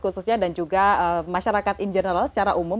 khususnya dan juga masyarakat in general secara umum